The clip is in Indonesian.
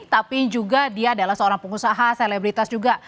tapi juga dia adalah seorang pengusaha selebritas juga